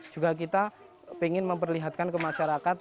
juga kita ingin memperlihatkan ke masyarakat